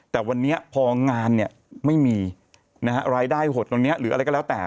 แต่วันนี้พองานเนี่ยไม่มีนะฮะรายได้หดตรงนี้หรืออะไรก็แล้วแต่